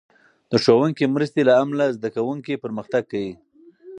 د ښوونکې مرستې له امله، زده کوونکي پرمختګ کوي.